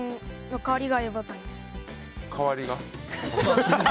代わりが？